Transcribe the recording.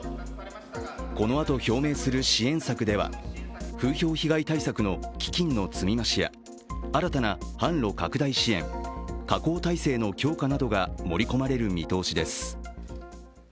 このあと表明する支援策では風評被害対策の基金の積み増しや新たな販路拡大支援、加工体制の強化などが盛り込まれる見通しです。